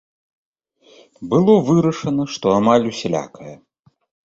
Было вырашана, што амаль усялякая.